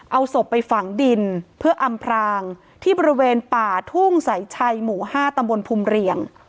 เอาศพไปฝังดินเพื่ออำพรางที่บริเวณป่าทุ่งสายชัยหมู่๕ตำบลภูมิเรียง